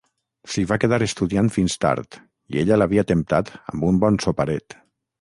S’hi va quedar estudiant fins tard i ella l’havia temptat amb un bon soparet.